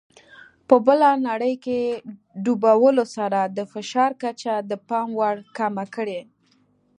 په بله نړۍ کې ډوبولو سره د فشار کچه د پام وړ کمه کړي.